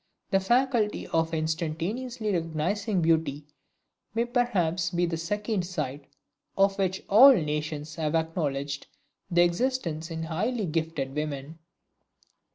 The faculty of instantaneously recognizing Beauty may perhaps be the "second sight," of which all nations have acknowledged the existence in highly gifted women.